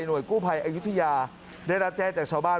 กู้ภัยอายุทยาได้รับแจ้งจากชาวบ้าน